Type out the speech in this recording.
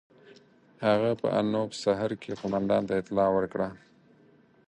هغه په انوپ سهر کې قوماندان ته اطلاع ورکړه.